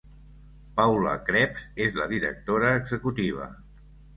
Paula Krebs és la directora executiva.